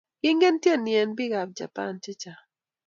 kingen tyeni eng bikap Japan chechang